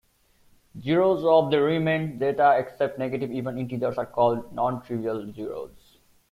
Zeros of the Riemann zeta except negative even integers are called "nontrivial zeros".